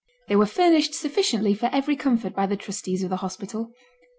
They were furnished sufficiently for every comfort by the trustees of the hospital.